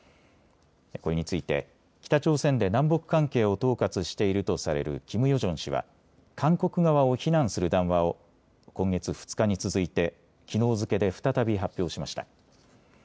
これについて北朝鮮で南北関係を統括しているとされるキム・ヨジョン氏は韓国側を非難する談話を今月２日に続いてきのう付けで再び発表しました。